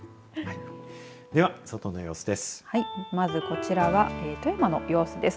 では、外の様子です。